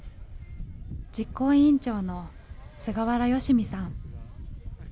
実行委員長の菅原圭位さん。